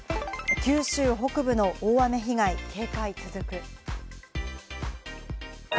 九州北部の大雨被害、警戒続く。